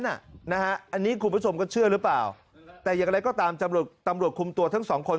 อันนี้คุณผู้ชมก็เชื่อหรือเปล่าแต่อย่างไรก็ตามตำรวจคุมตัวทั้งสองคน